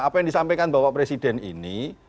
apa yang disampaikan bapak presiden ini